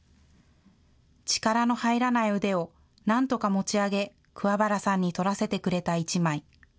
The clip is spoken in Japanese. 力の入らない腕をなんとか持ち上げ、桑原さんに撮らせてくれた一枚。